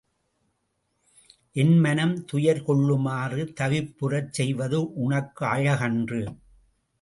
என் மனம் துயர் கொள்ளுமாறு தவிப்புறச் செய்வது உனக்கு அழகன்று.